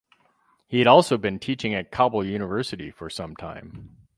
He has also been teaching at Kabul University for some time.